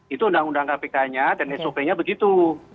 itu undang undang kpk nya dan sop nya begitu